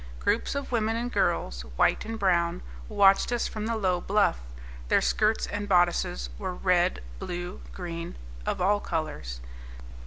Groups of women and girls, white and brown, watched us from the low bluff; their skirts and bodices were red, blue, green, of all colors.